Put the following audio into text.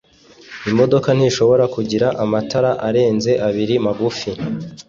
Imodoka ntishobora kugira amatara arenze abiri magufi.